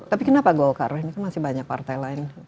tapi kenapa golkar ini kan masih banyak partai lain